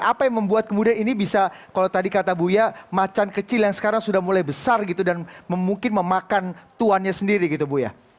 apa yang membuat kemudian ini bisa kalau tadi kata buya macan kecil yang sekarang sudah mulai besar gitu dan mungkin memakan tuannya sendiri gitu buya